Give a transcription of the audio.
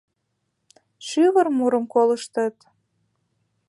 Шӱвыр мурым колыштыт.